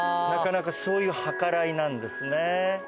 そういう計らいなんですね。